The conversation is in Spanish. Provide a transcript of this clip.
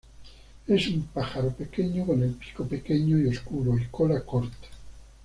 Es un pájaro pequeño con el pico pequeño y oscuro y cola corta.